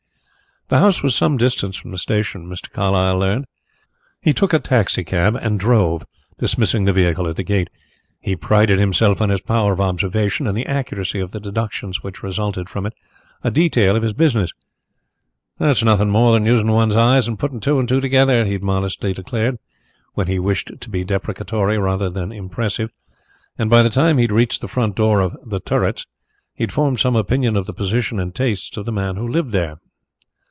The house was some distance from the station, Mr. Carlyle learned. He took a taxicab and drove, dismissing the vehicle at the gate. He prided himself on his power of observation and the accuracy of his deductions which resulted from it a detail of his business. "It's nothing more than using one's eyes and putting two and two together," he would modestly declare, when he wished to be deprecatory rather than impressive. By the time he had reached the front door of "The Turrets" he had formed some opinion of the position and tastes of the people who lived there.